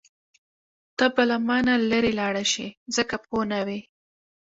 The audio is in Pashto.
ته به له مانه لرې لاړه شې ځکه پوه نه وې.